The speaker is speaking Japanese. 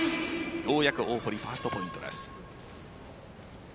ようやく大堀ファーストポイントです。